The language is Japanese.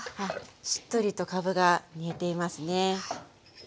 しっとりとかぶが煮えていますね。